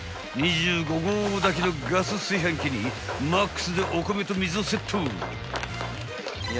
［２５合炊きのガス炊飯器にマックスでお米と水をセット］